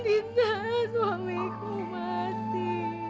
dinda suamiku mati